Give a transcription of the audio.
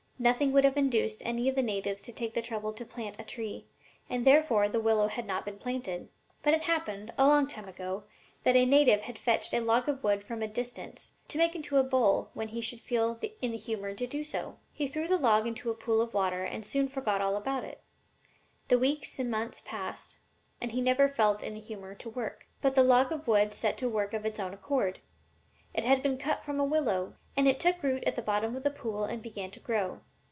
Nothing would have induced any of the natives to take the trouble to plant a tree, and therefore the willow had not been planted. But it happened, a long time ago, that a native had fetched a log of wood from a distance, to make into a bowl when he should feel in the humor to do so. He threw the log into a pool of water, and soon forgot all about it. Weeks and months passed, and he never felt in the humor to work. But the log of wood set to work of its own accord. It had been cut from a willow, and it took root at the bottom of the pool and began to grow.